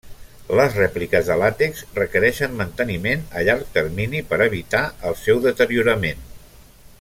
Les rèpliques de làtex requereixen manteniment a llarg termini per evitar el seu deteriorament.